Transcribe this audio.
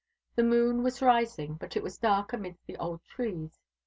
The moon was rising, but it was dark amid the old trees.